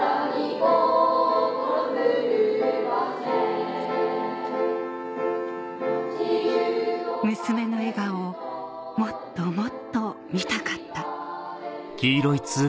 心ふるわせ娘の笑顔をもっともっと見たかった